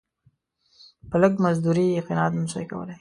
په لږ مزدوري یې قناعت نه سو کولای.